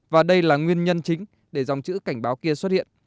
và đây là nguyên nhân chính để dòng chữ cảnh báo kia xuất hiện